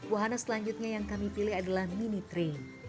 wahana selanjutnya yang kami pilih adalah mini train